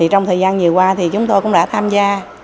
trong thời gian vừa qua thì chúng tôi cũng đã tham gia